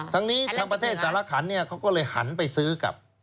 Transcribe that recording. ทางนี้ทางประเทศสารขันเนี่ยเขาก็เลยหันไปซื้อกับ